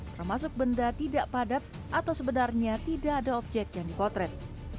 termasuk benda tidak padat atau sebenarnya tidak ada objek yang dipotret